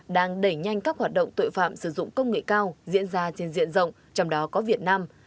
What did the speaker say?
đang đẩy nhanh các hoạt động tội phạm sử dụng công nghệ cao diễn ra trên diện rộng trong đó có việt nam